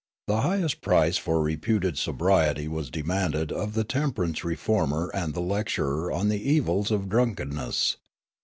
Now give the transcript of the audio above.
The highest price for reputed sobriety was demanded of the temperance reformer and the lecturer on the evils of drunkenness.